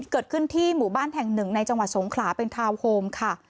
เกิดขึ้นที่หมู่บ้านแห่งหนึ่งในจังหวัดสงขลาเป็นทาวน์โฮมค่ะ